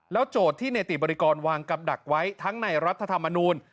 โจทย์ที่เนติบริกรวางกำดักไว้ทั้งในรัฐธรรมนูล